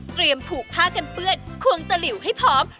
ผูกผ้ากันเปื้อนควงตะหลิวให้พร้อม